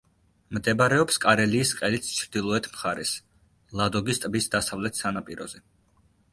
მდებარეობს კარელიის ყელის ჩრდილოეთ მხარეს, ლადოგის ტბის დასავლეთ სანაპიროზე.